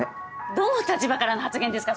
どの立場からの発言ですか？